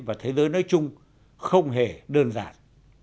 và thế giới nói chung không hề đơn giản